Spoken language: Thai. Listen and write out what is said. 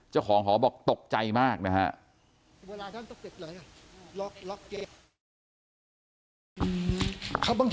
เจ้าของหอบอกตกใจมากนะฮะ